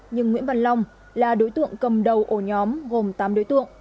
nhưng nguyễn văn long là đối tượng cầm đầu ổ nhóm gồm tám đối tượng